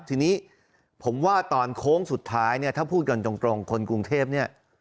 ทีนี้ผมว่าตอนโค้งสุดท้ายเนี่ยถ้าพูดกันตรงคนกรุงเทพเนี่ย